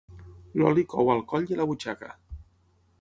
L'oli cou al coll i a la butxaca.